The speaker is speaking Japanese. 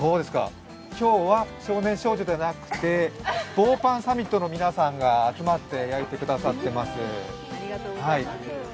今日は少年少女ではなくて棒パンサミットの皆さんが集まって焼いてくれています。